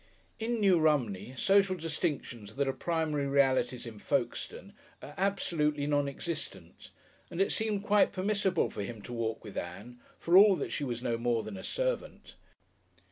In New Romney social distinctions that are primary realities in Folkestone are absolutely non existent, and it seemed quite permissible for him to walk with Ann, for all that she was no more than a servant.